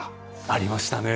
ありましたね。